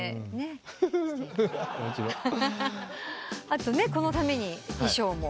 あとねこのために衣装も。